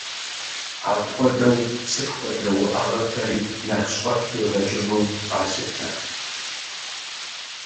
Апхуэдэу сыт хуэдэ уӏэгъэхэри нэхъ щӏэх игъэкӏыжу къалъытэ.